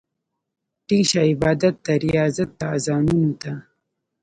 ټينګ شه عبادت ته، رياضت ته، اذانونو ته